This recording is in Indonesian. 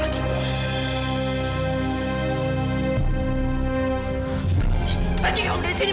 pergi kamu dari sini pergi